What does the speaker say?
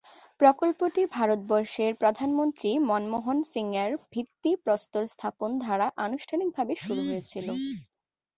প্রকল্পটি ভারতবর্ষের প্রধানমন্ত্রী মনমোহন সিংয়ের ভিত্তি প্রস্তর স্থাপন দ্বারা আনুষ্ঠানিকভাবে শুরু হয়েছিল।